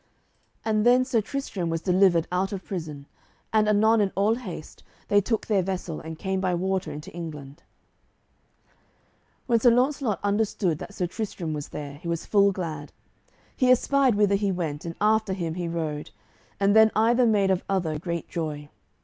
And then Sir Tristram was delivered out of prison, and anon in all haste they took their vessel, and came by water into England. When Sir Launcelot understood that Sir Tristram was there, he was full glad. He espied whither he went, and after him he rode, and then either made of other great joy.